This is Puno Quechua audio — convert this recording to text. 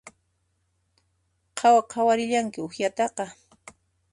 Qhawa qhawarillanki uywataqa